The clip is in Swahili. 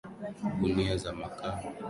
Gunia za makaa.